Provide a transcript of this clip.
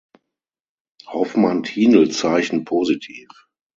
Hoffmann-Tinel Zeichen positiv.